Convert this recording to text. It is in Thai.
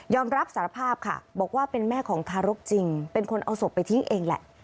รับสารภาพค่ะบอกว่าเป็นแม่ของทารกจริงเป็นคนเอาศพไปทิ้งเองแหละ